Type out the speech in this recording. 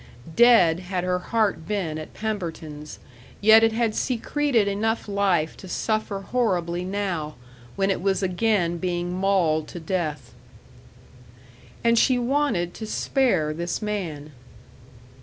Dead had her heart been at Pemberton's, yet it had secreted enough life to suffer horribly now, when it was again being mauled to death. And she wanted to spare this man.